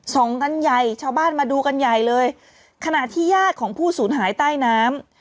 กันใหญ่ชาวบ้านมาดูกันใหญ่เลยขณะที่ญาติของผู้สูญหายใต้น้ำ